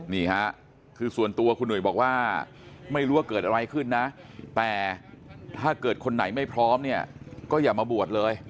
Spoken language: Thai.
นี่ฮะคือส่วนตัวคุณหนุ่ยบอกว่าไม่รู้ว่าเกิดอะไรขึ้นนะแต่ถ้าเกิดคนไหนไม่พร้อมเนี่ยก็อย่ามาบวชเลย